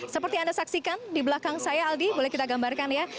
seperti yang anda saksikan di belakang saya aldi boleh kita gambarkan ya